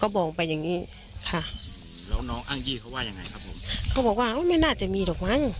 มันก็บอกว่าใช่ใช่